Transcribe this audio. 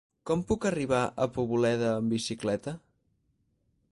Com puc arribar a Poboleda amb bicicleta?